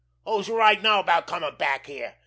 Who's right now about comin' back here?